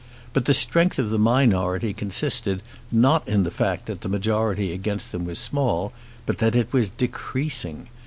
But the strength of the minority consisted, not in the fact that the majority against them was small, but that it was decreasing.